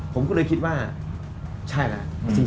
ผมก็เลยคิดว่าใช่แล้ว